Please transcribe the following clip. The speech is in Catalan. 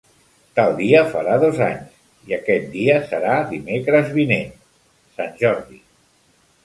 Tal dia farà dos anys, i aquest dia serà dimecres vinent: Sant Jordi.